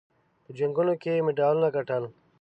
په جنګونو کې یې مډالونه ګټل.